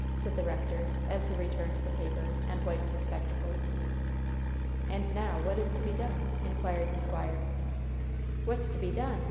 said the rector, as he returned the paper and wiped his spectacles. "And now, what is to be done?" inquired the squire. "'What's to be done?'"